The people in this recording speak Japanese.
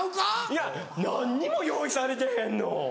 いや何にも用意されてへんの！